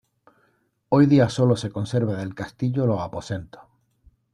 Hoy día solo se conserva del castillo los aposentos.